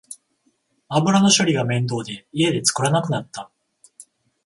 油の処理が面倒で家で作らなくなった